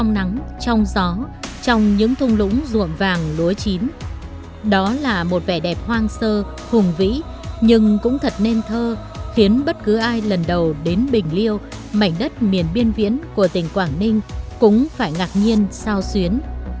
lần đầu đến bình liêu mảnh đất miền biên viễn của tỉnh quảng ninh cũng phải ngạc nhiên sao xuyến